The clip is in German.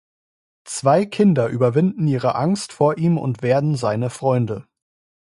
Zwei Kinder überwinden ihre Angst vor ihm und werden seine Freunde.